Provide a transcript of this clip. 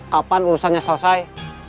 kapan urusannya selesai